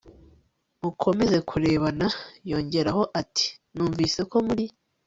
mukomeza kurebana Yongeraho ati numvise ko muri